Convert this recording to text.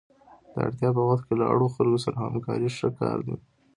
د اړتیا په وخت کې له اړو خلکو سره همکاري ښه کار دی.